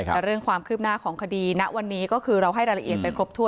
แต่เรื่องความคืบหน้าของคดีณวันนี้ก็คือเราให้รายละเอียดไปครบถ้ว